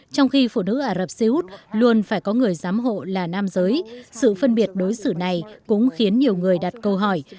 trong khi phụ nữ ả rập xê út luôn phải có người giám hộ là nam giới sự phân biệt đối xử này cũng khiến nhiều người đặt câu hỏi